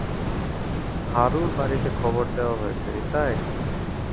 হারুর বাড়িতে খবর দেওয়া হয়েছে নিতাই?